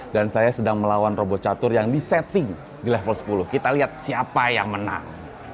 dan saya sedang melawan robot catur yang disetting di level sepuluh kita lihat siapa yang menang